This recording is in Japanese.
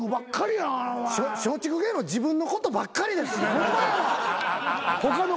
松竹芸能自分のことばっかりですね。